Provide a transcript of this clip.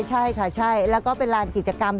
ใช่ค่ะใช่แล้วก็เป็นลานกิจกรรม